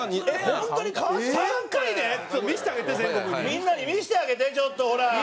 みんなに見せてあげてちょっとほら！